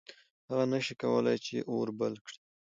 هغه نه شي کولی چې اور بل کړي.